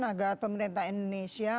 agar pemerintah indonesia